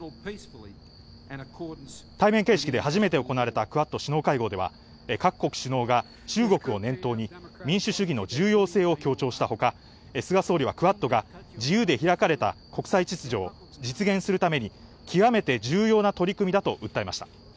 対面形式で初めて行われたクアッド首脳会合では、各国首脳が中国を念頭に、民主主義の重要性を強調したほか、菅総理はクアッドが自由で開かれた国際秩序を実現するために極めて重要な取り組みだと訴えました。